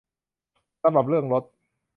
สำหรับเรื่องลด